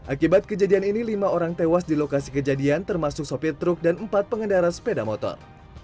akibat kejadian ini lima orang tewas di lokasi kejadian termasuk sopir truk dan empat pengendara sepeda motor